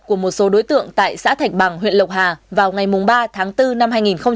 của một số đối tượng tại xã thạch bằng huyện lộc hà vào ngày ba tháng bốn năm hai nghìn hai mươi